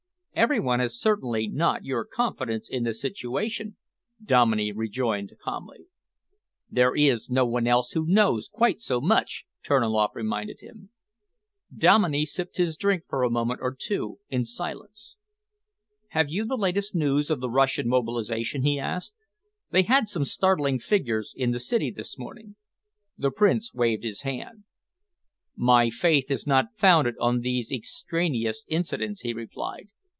"Every one has certainly not your confidence in the situation," Dominey rejoined calmly. "There is no one else who knows quite so much," Terniloff reminded him. Dominey sipped his drink for a moment or two in silence. "Have you the latest news of the Russian mobilisation?" he asked. "They had some startling figures in the city this morning." The Prince waved his hand. "My faith is not founded on these extraneous incidents," he replied.